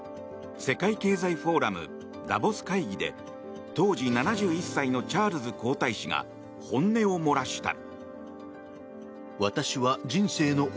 世界経済フォーラムダボス会議で当時７１歳のチャールズ皇太子が本音を漏らした。